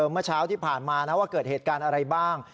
เมื่อเช้าที่ผ่านมานะว่าเกิดเหตุการณ์อะไรบ้าง